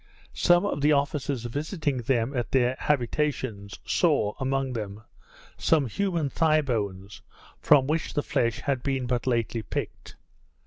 Some of the officers visiting them at their habitations, saw, among them, some human thigh bones, from which the flesh had been but lately picked.